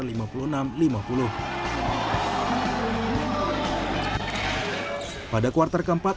pada kuartal keempat indonesia patriots menang